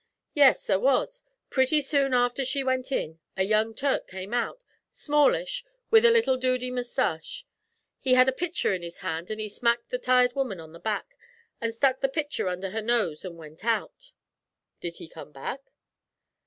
'Yes, there was; pretty soon after she went in a young Turk came out, smallish, with a little dudey moustache. He had a pitcher in his hand, an' he smacked the tired woman on the back, an' stuck the pitcher under her nose an' went out.' 'Did he come back?'